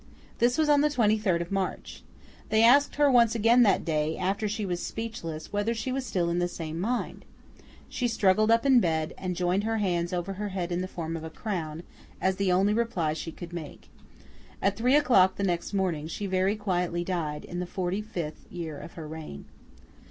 This was on the twenty third of March. They asked her once again that day, after she was speechless, whether she was still in the same mind? She struggled up in bed, and joined her hands over her head in the form of a crown, as the only reply she could make. At three o'clock next morning, she very quietly died, in the forty fifth year of her reign.